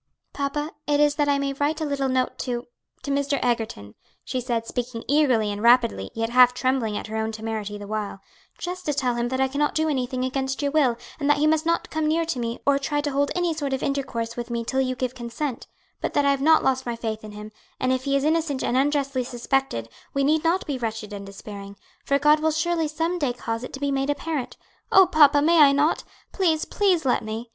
"Papa, it is, that I may write a little note to to Mr. Egerton," she said, speaking eagerly and rapidly, yet half trembling at her own temerity the while, "just to tell him that I cannot do anything against your will, and that he must not come near me or try to hold any sort of intercourse with me till you give consent; but that I have not lost my faith in him, and if he is innocent and unjustly suspected, we need not be wretched and despairing; for God will surely some day cause it to be made apparent. Oh, papa, may I not? Please, please let me!